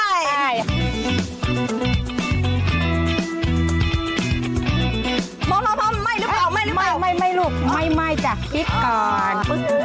พอไหมหรือเปล่าไหมหรือเปล่าไม่ลูกไม่จ้ะพริกก่อน